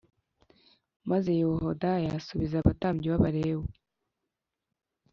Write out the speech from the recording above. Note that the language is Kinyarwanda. maze yehoyada asubiza abatambyi b abalewi